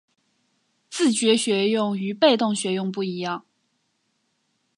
自觉学用与被动学用不一样